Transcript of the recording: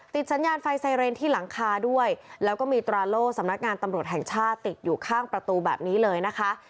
สัญญาณไฟไซเรนที่หลังคาด้วยแล้วก็มีตราโล่สำนักงานตำรวจแห่งชาติติดอยู่ข้างประตูแบบนี้เลยนะคะ